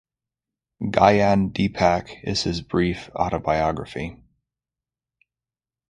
Gyan Dipak is his brief autobiography.